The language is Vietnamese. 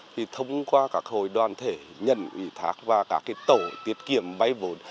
thì thông qua các hồ đoàn thể nhân ủy thác và các tổ tiết kiểm vay vốn